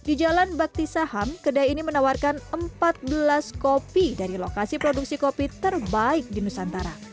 di jalan bakti saham kedai ini menawarkan empat belas kopi dari lokasi produksi kopi terbaik di nusantara